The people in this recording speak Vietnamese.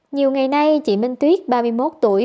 nhiều ngày nay chị minh tuyết ba mươi một tuổi